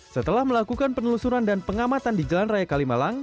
setelah melakukan penelusuran dan pengamatan di jalan raya kalimalang